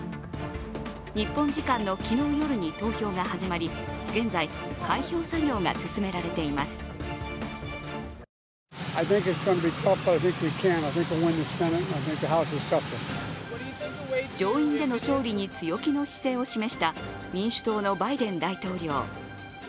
日本時間の昨日夜に投票が始まり現在、開票作業が進められています上院での勝利に強気の姿勢を示した民主党のバイデン大統領。